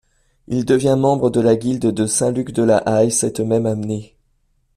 Il devient membre de la Guilde de Saint-Luc de La Haye cette même année.